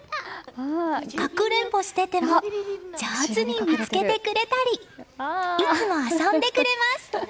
かくれんぼしてても上手に見つけてくれたりいつも遊んでくれます！